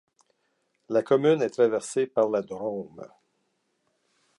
La commune est traversée par la Drôme.